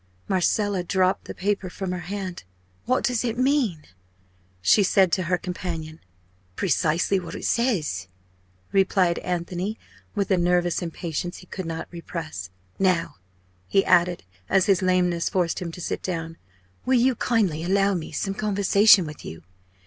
Marcella dropped the paper from her hand. "What does it mean?" she said to her companion. "Precisely what it says," replied Anthony, with a nervous impatience he could not repress. "Now," he added, as his lameness forced him to sit down, "will you kindly allow me some conversation with you?